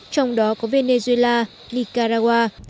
trong đó có venezuela nicaragua